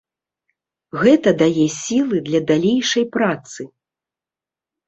Гэта дае сілы для далейшай працы.